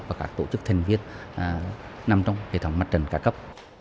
và các tổ chức thân viết nằm trong hệ thống mặt trần ca cấp